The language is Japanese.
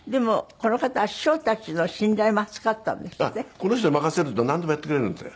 この人に任せるとなんでもやってくれるんで。